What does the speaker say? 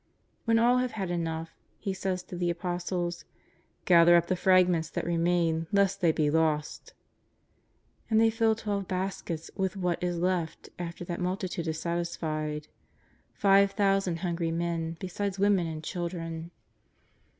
When all have had enough. He says to the Apostles: " Gather up the fragments that remain lest they be lost.'' And they fill twelve "baskets with what is left after that multitude is satisfied — five thousand hungry men, besides women and children.